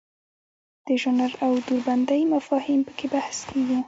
د ژانر او دوربندۍ مفاهیم پکې بحث کیږي.